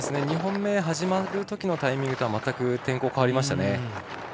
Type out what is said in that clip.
２本目が始まるときのタイミングとは、全く天候が変わりましたね。